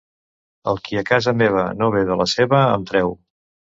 El qui a casa meva no ve de la seva em treu.